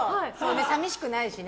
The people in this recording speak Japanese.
寂しくなるしね。